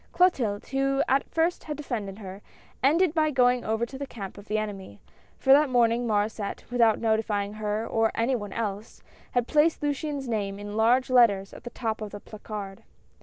Clotilde, who at first had defended her, ended by going over to the camp of the enemy, for that morning INIaurdsset, without notifying her or any one else, had placed Luciane's name in large letters at the top of the placard.